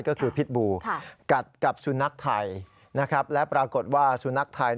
ก็คือพิษบูกัดกับสุนัขไทยนะครับและปรากฏว่าสุนัขไทย